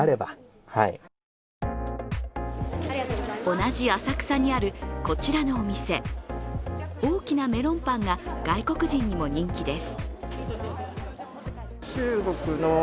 同じ浅草にあるこちらのお店、大きなメロンパンが外国人にも人気です。